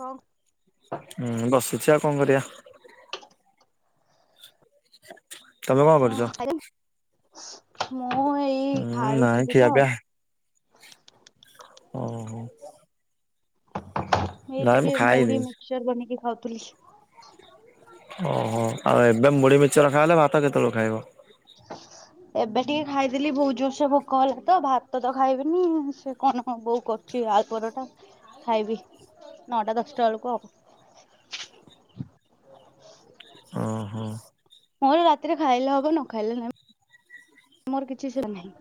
କଣ ହୁଁ ବସିଚି ଆଉ କଣ କରିବା। [inaudible] କଣ ହ କରୁଛ? ଆରେ ମୁଁ ଏଇ ହୁଁ ନାଇଁ ଖାଉଥିଲି ଖିଆ ତ। ଓ ହୋ। ଏଇ ନାଇଁ ମୁଁ ଟିକେ ଖାଇନି ମୁଉଢି ମିକ୍ସଚର ବନେଇକି ଖାଉଥିଲି। ଓହୋ ଆଉ ଏବେ ମୁଢି ମିକ୍ସଚର ଖାଇ ହେଲେ ଭାତ କେତେବେଳେ ଖାଇବ? [inaudible] ଏବେ ଟିକେ ଖାଇଦେଲି ବହୁ ଜୋର ସେ ଭୋକ ହେଲା ତ ଭାତ ତ ଖାଇବିନି ସେ କଣ ବୋଉ କର ଛି ଆଳୁ ପରଟା ଖାଇବି ନଅଟା ଦଶଟା ବେଳକୁ ଆଉ। ଓହୋ। ମୋର ରାତିରେ ଖାଇଲେ ହବ ନ ଖାଇଲେ ନାହି ମୋର କିଛି ସେମ ନାହିଁ।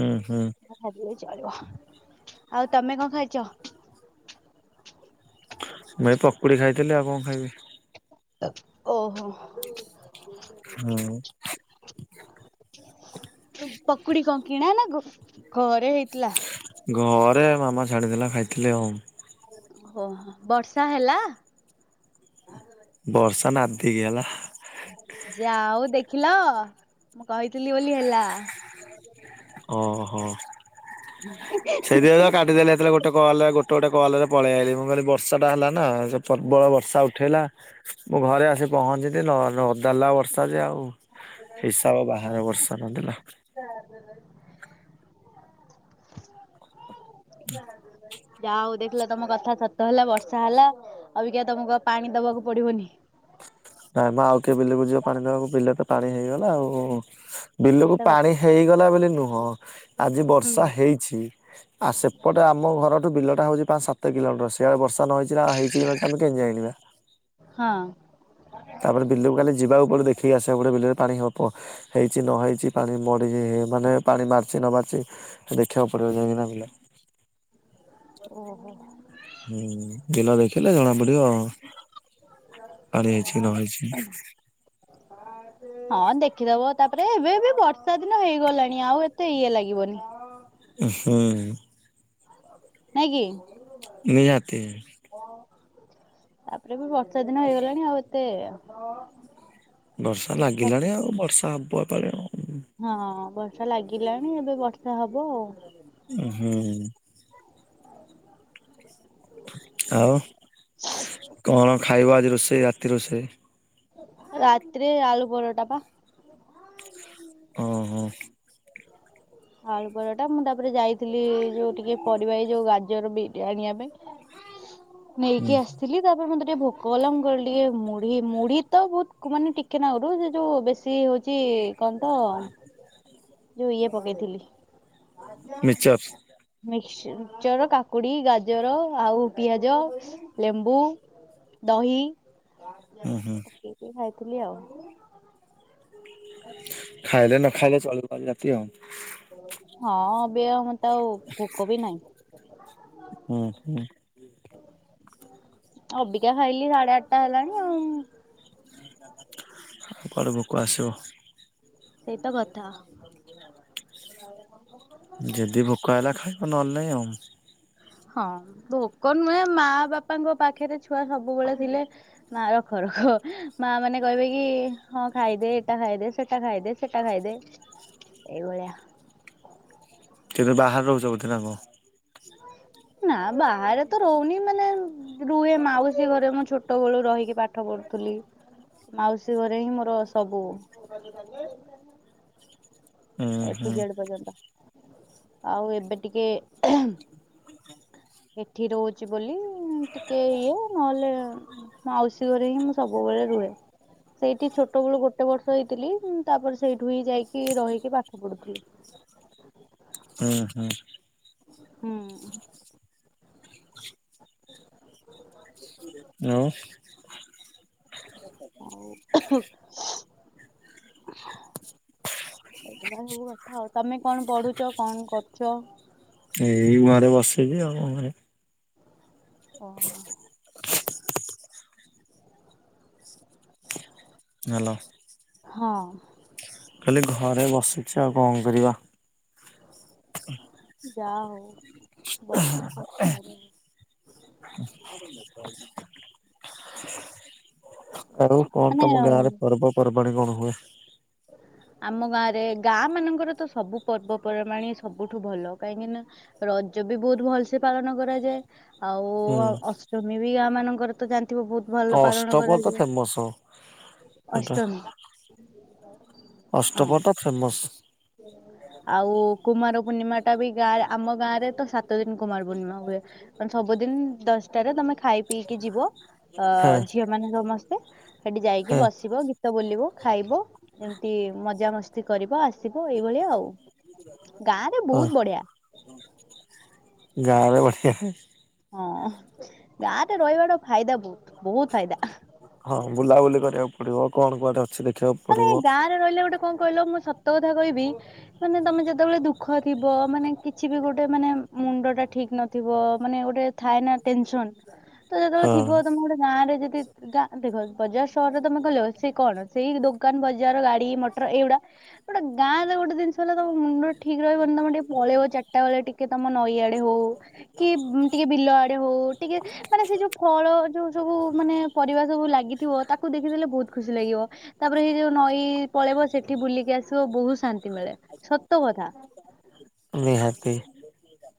ଉ ହୁଁ। ନ ଖାଇଲେ ବି ଚଳିବ ଆଉ ତମେ କଣ ଖାଇଛ? ମୁଁ ଏଇ ପକୁଡି ଖାଇଥିଲି ଆଉ କଣ ଖାଇବି। ଏ ଓହୋ। ହୁଁ। ଏ ପକୁଡି କ କିିଣା ନା ଘ ଘରେ କିଲା। ଘରେ ମାମା ଛାଣିଥିଲା ଖାଇଥିଲି ଆଉ। ଓହୋ ବର୍ଷା ହେଲା। ବର୍ଷା ନାଦି କି ହେଲା। ଯା ହଉ ଦେଖିଲ, ମୁଁ କହିଥିଲି ବୋଲି ହେଲା। ଓହୋ ସେଥିପାଇଁ ତ କାଟିଦେଲେ ଏତେବେଳେ ଗୋଟ ଗୋଟେ କଲରେ ଗୋଟେ ଗୋଟେ କଲ ରେ ପଳେଇ ଆଇଲି ମୁଁ କହିଲି ବର୍ଷା ଟା ହେଲା ନା ସେ ପ୍ରବଳ ବର୍ଷା ଉଠେଇଲା। ମୁଁ ଘରେ ଆସି ପହଞ୍ଚିିଚି ନ ନଦିଦେଲା ବର୍ଷା ଯେ ଆଉ। ହିସାବ ବାହାରେ ବର୍ଷା ନଦିଲା। [unintelligible] ଯା ହଉ ଦେଖିଲ ତମ କଥା ସତ ହେଲା, ବର୍ଷା ହେଲା ଅଭିକା ତମକୁ ଆଉ ପାଣି ଦବାକୁ ପଡିବନି। ନାଇଁ ମ ଆଉ କିଏ ବିଲକୁ ଯିବ ପାଣି ଦେବାକୁ, ବିଲରେ ତ ପାଣି ହେଇଗଲା ଆଉ। ବିଲକୁ ସେଇତ କଥା। ପାଣି ହେଇଗଲା ବୋଲି ନୁହଁ, ଆଜି ହୁଁ ବର୍ଷା ହେଇଛି। ଆ ସେପଟେ ଆମ ଘରଠୁ ବିଲଟା ହଉଚି ପାଞ୍ଚ ସାତ କିଲୋମିଟର, ସେଇଆ ବର୍ଷା ନ ହେଇଚି ନା ହେ ହେଇଚି କି ଆମେ କେମିତି ଜାଣିବା। ହଁ। ତାପରେ ବିଲକୁ କାଲି ଯିବା ଉପରେ ଦେଖିକି ଆସିବା ଗୋଟେ ବିଲରେ ପାଣି ହବ ପ ହେଇଛି ନ ହେଇଛି ପାଣି ମଡି ମାନେ ପାଣି ମାରଛି ନ ମାଡିଚି। ଦେଖିବାକୁ ପାରିବ ଯାଇକିନା ବିିଲ ଓହୋ। ହୁଁ ବିଲ ଦେଖିଲେ ଜଣା ପଡିବ ପାଣି ହେଇଛି ନ ହେଇଛି। ହଁ ଦେଖିଦବ ତାପରେ ଏବେଏବେ ବର୍ଷା ଦିନ ହେଇଗଲାଣି ଆଉ ଏତେ ଇଏ ଲାଗିବନି। ହଁ। ନାଇଁ କି? ନିହାତି ତାପରେ ବି ବର୍ଷା ଦିନ ହେଇଗଲାଣି ଆଉ ଏତେ ବର୍ଷା ଠିକ ଠାକ ଲାଗିଲାଣି ଆଉ ବର୍ଷା ହବ ଏପାଳି ଆଉ। ହଁ ବର୍ଷା ଲାଗିଲାଣି ଏବେ ବର୍ଷା ହବ ଆଉ। ଓ ହୁଁ ଆଉ କଣ ଖାଇବ ଆଜି ରୋଷେଇ ରାତି ରୋଷେଇ? ରାତରେ ଆଳୁ ପରରୋଟା ପା। ଓ ହ। ଆଳୁ ପରଟା, ମୁଁ ତାପରେ ଯାଇଥିଲି ଯୋଉ ଟିକେ ପରିବା ଏ ଯୋଉ ଗାଜର ବିଟ ଆଣିବା ପାଇଁ। [inaudible] ନେଇକି ଆସିଥିଲି। ତାପରେ ମତେ ଟିକେ ଭୋକ ହେଲା, ମୁଁ କହିଲି ଟିକେ ମୁଢି ମୁଢି ତ ବହୁତ ମାନେ ଟିକେ ନା ହବ ସେ ଯୋଉ ବେଶୀ ହଉଛି କିଛି କହ ତ ଯୋଉ ଇଏ ପକେଇଥିଲି। ମିଚରସ। ମିକସ ମିକଚର କାକୁଡି, ଗାଜର ଆଉ ପିଆଜ। ଲେମ୍ବୁ, ଦହି। ହୁଁ ହୁଁ। ପକେଇକି ଖାଇଥିଲି ଆଉ। [inaudible] ଖାଇଲେ ନ ଖାଇଲେ [unintelligible] ଆଉ। ହଁ ଏବେ ମତେ ଆଉ ଭୋକ ବି ନାହିଁ। ହୁଁ ହୁଁ। ଅବିକା ଖାଇଲି ସାଢେ ଆଠଟା ହେଲାଣି ଆଉ। ଆଉ କଆଡେ ଭୋକ ଆସିବ। ସେଇତ କଥା। ଯଦି ଭୋକା ହେଲା ଖାଇବ ନହେଲେ ନାହିଁ ଆଉ। ହଁ ଭୋକ ନୁହେଁ ମା ବାପାଙ୍କ ପାଖରେ ଛୁଆ ସବୁବେଳେ ଥିଲେ ମା ରଖରଖ। ମା ମାନେ କହିବେ କି ହଁ ଖାଇଦେ ଏଇଟା ଖାଇଦେ ସେଟା ଖାଇଦେ। ସେଟା ଖାଇଦେ ଏଇଭଳିଆ। କିନ୍ତୁ ବାହାରେ ରହୁଛ ବୋଧେ ନା କଣ? ନା ବାହାରେ ତ ରହୁନି। ମାନେ ରୁହେ ମାଉସୀ ଘରେ ମୁଁ ଛୋଟ ବେଳୁ ରହିକି ପାଠ ପଢ଼ୁଥିଲି। ମାଉସୀ ଘରେ ହିଁ ମୋର ସବୁ। [inaudible] ହୁଁ ହୁଁ ଏଠୁ ଜେଡ୍ ପର୍ଯ୍ୟନ୍ତ ଆଉ ଏବେ ଟିକେ ଏଠି ରହୁଛି ବୋଲି ଟିକେ ଇଏ ନହେଲେ ମାଉସୀ ଘରେ ହିଁ ମୁଁ ସବୁବେଳେ ରୁହେ। ସେଇଠି ଛୋଟ ବେଳୁ ଗୋଟେ ବର୍ଷ ହେଇଥିଲି, ତାପରେ ସେଇଠୁ ହିଁ ଯାଇକି ରହିକି ପାଠ ପଢୁଥିଲି। ହୁଁ ହୁଁ ହୁଁ। ଆଉ? ହଉ। ଏଇା ସବୁ କଥା। ଆଉ ତମେ କଣ ପଢୁଛ? କଣ କରୁଛ? ଏଇ ଘରେ ବସିଛି ଆଉ ଙ୍କ କରିବି। ଓ। ହାଲୋ? ହଁ। ଖାଲି ଘରେ ବଶୁଛି ଆଉ କଣ କରିବା। ଯା ହଉ ବସିଛ ଘରେ। ଆଉ କଣ ମାନେ ତମ ଗାଁ ରେ ପର୍ବ ପର୍ବାଣୀ କଣ ହୁଏ? ଆମ ଗାଁ ରେ ଗାଁ ମାନଙ୍କରେ ତ ସବୁ ପର୍ବପର୍ବାଣି ସବୁଠୁ ଭଲ। କାହିଁକି ନା ରଜ ବି ବହୁତ ଭଲସେ ପାଳନ କରାଯାଏ। ଆଉ ହୁଁ ଅଷ୍ଟମୀ ବି ଗାଁ ମାନଙ୍କର ତ ଜାଣିଥିବ ବହୁତ ଭଲ ପାଳଣ ଅଷ୍ଟପହରି ତ କରାଯାଏ। ଫେମସ ସେଟା ଅଷ୍ଟମୀ। ହଁ ଅଷ୍ଟପରି ତ ଫେମସ୍। ଆଉ କୁମାର ପୂର୍ଣ୍ଣିମା ଟା ବି ଗାଁରେ। ଆମ ଗାଁ ରେ ତ, ସାତ ଦିନ କୁମାର ପୂର୍ଣ୍ଣିମା ହୁଏ। ସବୁଦିନ ଦଶଟାରେ ତମେ ଖାଇ ପିଇକି କି ଯିବ ଅ ହଁ ଝିଅ ମାନେ ସମସ୍ତେ ସେଠି ଯାଇକି ହଁ ବସିବ ଗୀତ ବୋଲିବ, ଖାଇବ, ଏମିତି ମଜାମସ୍ତି କରିବ ଆସ ଆସିବ ଏଇଭଳିଆ ଆଉ। ଗାଁରେ ହଁ। ବହୁତ ବଢିଆ। ଗାଁରେ ବଢିଆ। ହଁ ଗାଁରେ ରହିବାର ଫାଇଦା ବହୁତ। ବହୁତ ଫାଇଦା। ହଁ ବୁଲାବୁଲି କରିବାକୁ ପଡିବ। କଣ କୁଆଡେ ଅଛି ଦେଖିବାକୁ ମାନେ ପଡିବ। ଗାଁରେ ରହିଲେ ଗୋଟେ କଣ କହିଲ ମୁଁ ସତ କଥା କହିବି, ମାନେ ତମେ ଯେତେବେଳେ ଦୁଃ ଖ ଥିବ ମାନେ କିଛି ବି ଗୋଟେ ମାନେ ମୁଣ୍ଡ ଟା ଠିକ୍ ନଥିବ, ମାନେ ଗୋଟେ ଥାଏ ନା ଟେନସନ୍। ଯେତେବେଳେ ହଁ ଥିବ ତମେ ଗୋଟେ ଗାଁରେ ଯଦି ଗାଁ ଦେଖ ବଜାର ସହରରେ ତମେ କହ ସେ କଣ ସେଇ ଦୋ କାନ ବଜାର ଗାଡି ମଟର ଏଇଗୁଡା। ଗୋଟେ ଗାଁରେ ଗୋଟେ ଜିନିଷ ହେଲା ତମ ମୁଣ୍ଡ ଠିକ ରହିବନି ତମେ ଟିକେ ପଳେଇବ ଚାରିଟା ବେଳେ ଟିକେ କି ତମ ନଈ ଆଡେ ହଉ କି ଟିକେ ବିଲ ଆଡେ ହଉ ଟିକେ ମାନେ ସେ ଯୋଉ ଫଳ ଯୋଉ ସବୁ ମାନେ ପରିବା ସବୁ ଲାଗିଥିବ ତାକୁ ଦେଖିଦେଲେ ବହୁତ ଖୁସି ଲାଗିବ। ତାପରେ ସେ ଯୋଉ ନଈ ପଳେଇବ ସେଠି ବୁଲିକି ଆସିବ। ବହୁତ ଶାନ୍ତି ମିଳେ। ସତ କଥା। ନିହାତି।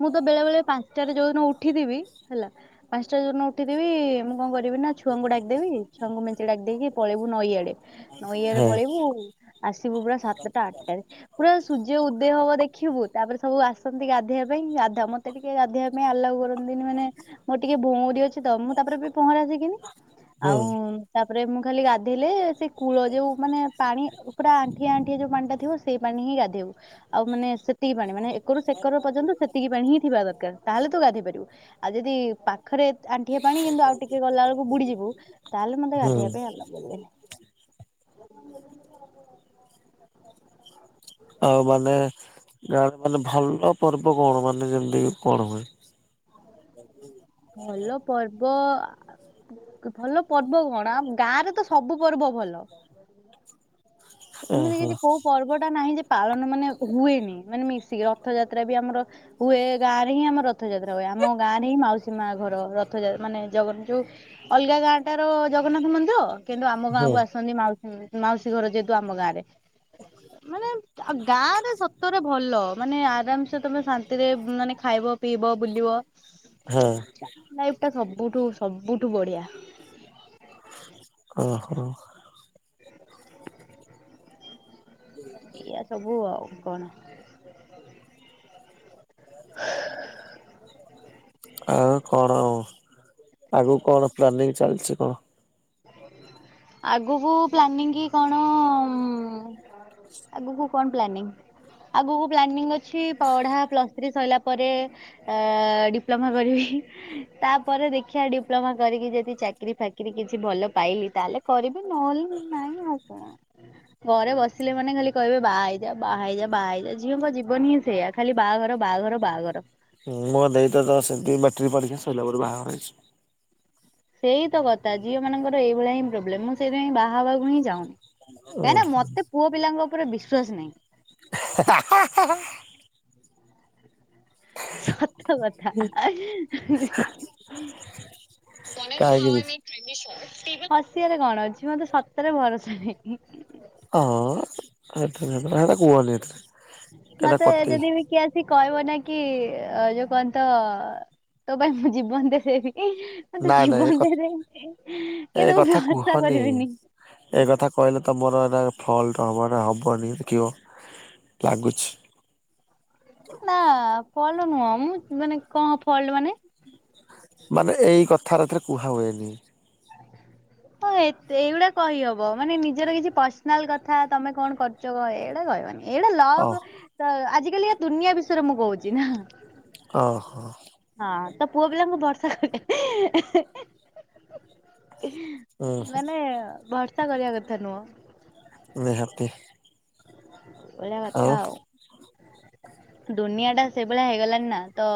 ମୁଁ ତ ବେଳେ ବେଳେ ପାଞ୍ଚଟାରେ ଯୋଉଦିନ ଉଠିଥିବି, ହେଲା ପାଞ୍ଚଟା ଜନ ଉଠିଦେବି ମୁଁ କଣ କରିବି ନା ଛୁଆଙ୍କୁ ଡାକିଦେବି, ଛୁଆଙ୍କୁ ମେଞ୍ଚେ ଡାକି ଦେଇକି ପଳେଇବୁ ନଇଆଡେ। ନଈଆଡେ ହଁ ପଳେଇବୁ ଆସିବୁ ପୁରା ସାତଟା ଆଠଟାରେ। ପୁରା ସୂର୍ଯ୍ୟ ଉଦୟ ହବ ଦେଖିବୁ। ତାପରେ ସବୁ ଆସନ୍ତି ଗାଧୋଇବା ଗାଧା ମତେ ଟିକେ ଗାଧେବା ପାଇଁ ଆଲାଉ କରନ୍ତିନି ମାନେ ମୋର ଟିକେ ଭଉରୀ ଅଛି ତ ମୁଁ ତାପରେ ବି ପହଁରାସିକିନି ହୁଁ ଆଉ ତାପରେ ମୁଁ ଖାଲି ଗାଧେଇଲେ କୂଳ ଯୋଉ ମାନେ ପାଣି ପୁରା ଆଣ୍ଠିଏ ଆଣ୍ଠିଏ ଯୋଉ ପାଣିଟା ଥିବ ସେ ସେଇ ପାଣି ହିଁ ଗାଧେଇବୁ। ଆଉ ମାନେ ସେତିକି ପାଣି ମାନେ ଏକରୁ ସେ ସେକର ପର୍ଯ୍ୟନ୍ତ ସେତିକି ପାଣି ହିଁ ଥିବ। ଦରକାର ତାହେଲେ ତୁ ଗାଧି ପାରିବୁ ଆଉ ଯଦି ପା ପାଖରେ ଆଣ୍ଠିବା ପାଣି କିନ୍ତୁ ଆଉ ଟିକେ ଗଲାବେଳକୁ ବୁଡ଼ିଯିବୁ ତାହେଲେ ମତେ ହୁଁ ଗାଧେଇବା ପାଇଁ ଆଲାଓ କରିବେନି। ଆଉ ମାନେ ଗାଁ ମାନେ ଭଲ ପର୍ବ କଣ ମାନେ ଯେମିତି କଣ ହୁଏ? ଭଲ ପର୍ବ ଭଲ ପର୍ବ କଣ? ଗାଁ ରେ ତ ସବୁ ପର୍ବ ଭଲ। ସେମିତି ଓହୋ କିଛି କୋଉ ପର୍ବଟା ନାହିଁ ଯେ ପାଳନ ମାନେ ହୁଏନି, ମାନେ ମିଶିକି ରଥଯାତ୍ରା ବି ଆମର ହୁଏ, ଗାଁରେ ହିଁ ଆମ ରଥଯାତ୍ରା ହୁଏ। ଆମ ଗାଁରେ ହିଁ ମାଉସୀ ଉସୀ ମା ଘର, ରଥଯାତ ମାନେ ଜଗନ୍ ଯୋଉ ଅଲଗା ଗାଁ ଟାର ଜଗନ୍ନାଥ ମନ୍ଦିର କିନ୍ତୁ ଆମ ହଁ ଗାଁକୁ ଆସନ୍ତି ମାଉସୀ ମାଉସୀ ଘର ଯେହେତୁ ଆମ ଗାଁରେ। ମାନେ ଗାଁରେ ସତରେ ଭଲ। ମାନେ ଆରାମସେ ତମେ ଶାନ୍ତିରେ ମାନେ ଖାଇବ ପିଇବ, ବୁଲିବ ହୁଁ। ଲାଇଫଟା ସବୁଠୁ ସବୁଠୁ ବଢିଆ। ଓହୋ। ଏଇଆ ସବୁ ଆଉ କଣ। ଆଉ କଣ, ଆଗୁକୁ କଣ ପ୍ଲାନିଂ ଚାଲିଛି କଣ? ଆଗୁକୁ ପ୍ଲାନିଂ କଣ ଉମ୍ ଆଗୁକୁ କଣ ପ୍ଲାନିଂ? ଆଗୁକୁ ପ୍ଲାନିଂ ଅଛି ପଢା ପ୍ଲ ପ୍ଲସ ଥ୍ରୀ ସଇଲା ପରେ, ଆ ଡିପ୍ଲୋମା କରିବି ତାପରେ ଦେଖିଆ ଡିପ୍ଲୋମା କରିକି ଯେଦି ଚାକିରୀ ଫାକିରି କି କିଛି ଭଲ ପାଇଲି, ତାହେଲେ କରିବି ନହେଲେ ନାଇଁ ଆଉ କଣ। ଘରେ ବସିଲେ ମାନେ ଖାଲି କହିବେ, ବାହା ହେଇଯା, ବାହା ହେଇଯା, ବାହା ହେଇଯା, ଝିଅଙ୍କ ଜୀବନ ହିଁ ସେୟା। ଖାଲି ବାହାଘର, ବାଆଘର, ବାଆଘର। ହଁ ମୋ ଦେଇ ତ ଦଶ ସେମତି ମାଟ୍ରିକ ପରୀକ୍ଷା ସଇଲା ପରେ ବାହାଘର ହେଇଚି। ସେଇ ତ କଥା। ଝିଅ ମାନଙ୍କର ଏଇଭଳିଆ ହିଁ ପ୍ରୋବ୍ଲେମ, ମୁଁ ସେଇଥିପାଇଁ ବାହା ହବାକୁ ହିଁ ଚାହୁଁନି। ଉଁ କାଇଁନା ମତେ ପୁଅ ପିଲାଙ୍କ ଉପରେ ବିଶ୍ଵାସ ନାହିଁ। ହେ-ହେ-ହା-ହା-ହା ସତ କଥା। ହି-ହି ଜଣେ ନୁହଁ କାହିଁକି ବି ଆମେ ହସିଆରେ କଣ ଅଛି, ମତେ ସତରେ ଭରସା ନାହିଁ। ହଁ, ସେ ସେଟା କୁହନି ଏତେ। ମତେ ଯେଦି ବିି କିଏ ଆସି ସିଏ କଇବ ନା କି ଯୋଉ କଣ ତ ତୋ ପାଇଁ ମୁଁ ଜୀବନ ଦେଇଦେବି କି ତୁ ନାଇଁ ନାଇଁ ଜୀବନ ଦେଇ ଦେ କିନ୍ତୁ ମୁଁ ଭରସା କରିବିନି। ଏଇ କଥା କହିଲେ ତ ମୋର ଏଇରା ଫଲ୍ଟ ହବ ନା ହବନି କି ଓ ଲାଗୁଛି। ନା, ଫଲ୍ଟ ନୁହଁ। ମୁଁ ମାନେ କଣ ଫଲ୍ଟ ମାନେ? ମାନେ ଏଇ କଥାରଥିରେ କୁହା ହୁଏନି। ହଁ ଏଇଟ ଏଇଗୁଡା କହିହବ। ମାନେ ନିଜର କିଛି ପର୍ସନାଲ କଥା ତମେ କଣ କରୁଚ କହ, ଏଗୁଡା କହିବନି। ଏଇଡା ଅ ଲଭ ତ ଆଜିକାଲିକା ଦୁନିଆ ବିଷୟରେ ମୁଁ କହୁଛି ନା। ଅ ହ। ହଁ, ତ ପୁଅ ପିଲାଙ୍କୁ ଭରସା କଲେ ହୁଁ ହେ-ହେ-ହେ-ହେ-ହେ-ହିଁ-ହିଁ-ହିଁ-ହିଁ ହୁଁ ମାନେ ଭରସା କରିବା କଥା ନୁହଁ। ନିହାତି। ଏଇଭଳିଆ କଥା ଆଉ। ଦୁନିଆଟା ସେଇଭଳିଆ ହେଇଗଲାଣିି ନା, ତ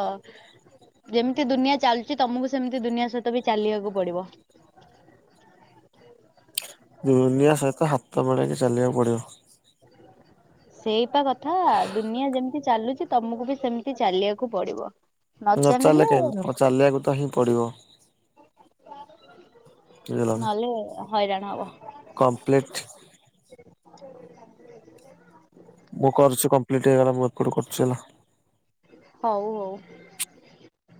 ଯେମତି ଦୁନିଆ ଚାଲୁଚି ତମକୁ ସେମତି ଦୁନିଆ ସହିତ ବି ଚାଲିବାକୁ ପଡିବ। ଦୁନିଆ ସହିତ ହାତ ମିଳେଇକି ଚାଲିବାକୁ ପଡ଼ିବ। ସେଇପା କଥା, ଦୁନିଆ ଯେମତି ଚାଲୁଚି ତମକୁ ବି ସେମତି ଚାଲିଆକୁ ପଡିବ। ନ ଚାଲିଲେ କେମତି ହବ, ଚାଲିବାକୁ ତ ହିଁ ପଡିବ। ନହେଲେ ହଇରାଣ ହବ। କମ୍ପ୍ଲିଟ୍ [inaudible] ମୁଁ କରୁଛି କମ୍ପ୍ଲିଟ୍ ହେଇଗଲା ମୁଁ ଏକଡୁ କରୁଛି ହେଲା। ହୋଉ ହୋଉ।